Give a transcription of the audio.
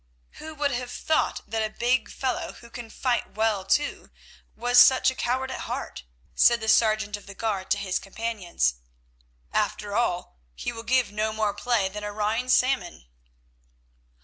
"Who would have thought that a big fellow, who can fight well, too, was such a coward at heart," said the sergeant of the guard to his companions. "After all, he will give no more play than a Rhine salmon."